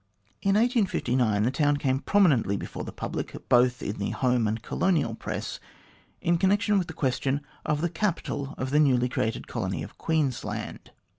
In 1859 the town came prominently before the public, both in the home and colonial press, in connection with the question of the capital of the newly created colony of Queensland.